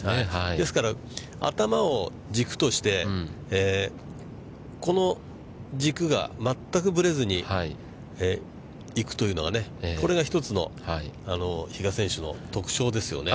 ですから、頭を軸として、この軸が全くぶれずに行くというのがね、これが一つの比嘉選手の特徴ですよね。